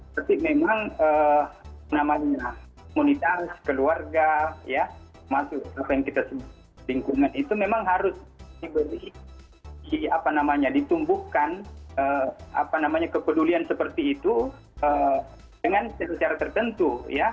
tapi memang apa namanya komunitas keluarga ya maksud apa yang kita sebut lingkungan itu memang harus diberi apa namanya ditumbuhkan apa namanya kepedulian seperti itu dengan secara tertentu ya